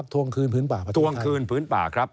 ทวงคืนพื้นป่า